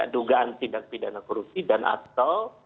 dugaan tindak pidana korupsi dan atau